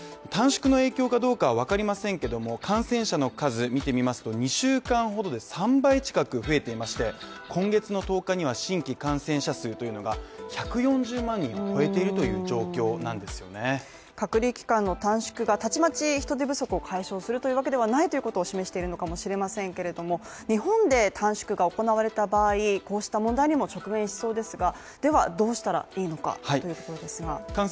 短縮の影響かどうかわかりませんけども感染者の数見てみますと２週間ほどで３倍近く増えていまして、今月の１０日には新規感染者数というのが１４０万人増えているという状況なんですよね隔離期間の短縮がたちまち人手不足を解消するというわけではないということを示しているのかもしれませんけれども、日本で短縮が行われた場合、こうした問題にも直面しそうです。